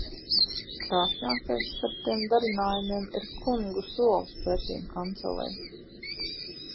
Krāšņākais starp tiem darinājumiem ir kungu sols, pretim kancelei.